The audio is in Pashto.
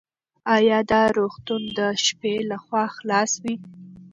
ایا دا روغتون د شپې لخوا خلاص وي؟